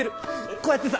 こうやってさ